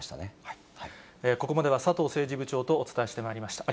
ここまでは佐藤政治部長とお伝えしてまいりました。